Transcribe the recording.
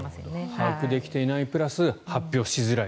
把握できていないプラス発表しづらい。